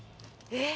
えっ？